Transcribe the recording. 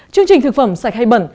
chương trình thực phẩm sạch hay bẩn